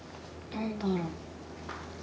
何だろう。